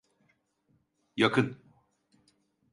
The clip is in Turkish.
Yakın…